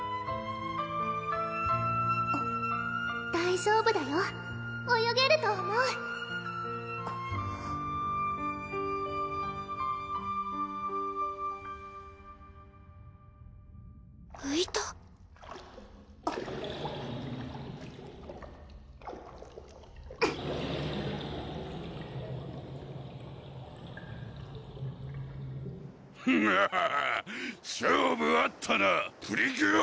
大丈夫だよ泳げると思うフハハ勝負あったなプリキュア！